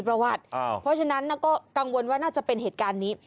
เพราะฉะนั้นก็กังวลว่าน่าจะเป็นเหตุการณ์นี้